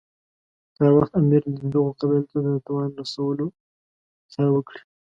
که هر وخت امیر دغو قبایلو ته د تاوان رسولو خیال وکړي.